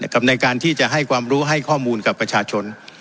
ในการที่จะให้ความรู้ให้ข้อมูลกับประชาชน